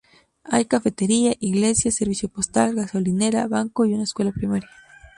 Hay cafetería, iglesia, servicio postal, gasolinera, banco y una escuela primaria.